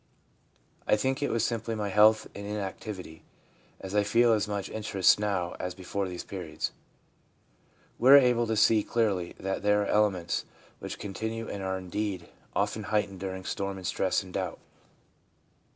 I think it was simply my health and inactivity, as I feel as much interest now as before these periods.' We are able to see clearly that there are elements which continue and are indeed often heightened during storm and stress and doubt.